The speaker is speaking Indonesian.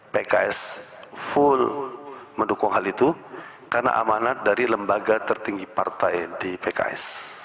pks full mendukung hal itu karena amanat dari lembaga tertinggi partai di pks